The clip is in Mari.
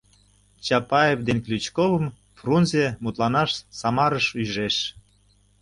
Чапаев ден Ключковым Фрунзе мутланаш Самарыш ӱжеш.